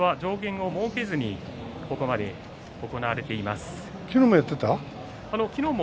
今場所は上限を設けずにここまで行われています。